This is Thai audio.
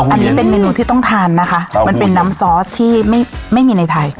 อันนี้เป็นเมนูที่ต้องทานนะคะมันเป็นน้ำซอสที่ไม่มีในไทย